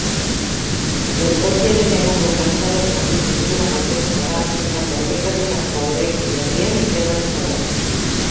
Geltokiaren egungo fatxadaren arkitektura mantenduko da, eta proiektatutako eraikin berrian integratuko da.